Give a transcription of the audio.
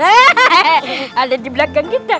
eh ada di belakang kita